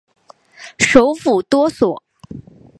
首府多索。